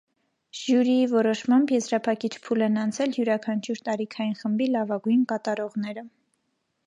Ժյուրիի որոշմամբ եզրափակիչ փուլ են անցել յուրաքանչյուր տարիքային խմբի լավագույն կատարողները։